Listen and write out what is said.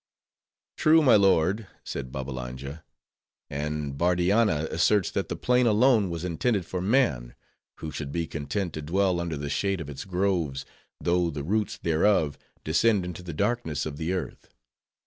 "True, my lord," said Babbalanja; "and Bardianna asserts that the plain alone was intended for man; who should be content to dwell under the shade of its groves, though the roots thereof descend into the darkness of the earth.